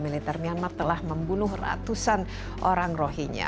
militer myanmar telah membunuh ratusan orang rohingya